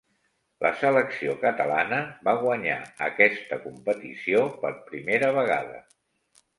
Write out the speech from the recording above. La selecció catalana va guanyar aquesta competició per primera vegada.